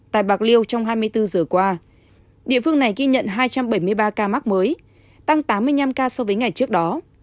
tại bạc liêu trong hai mươi bốn giờ qua địa phương này ghi nhận hai trăm bảy mươi ba ca mắc mới tăng tám mươi năm ca so với ngày trước đó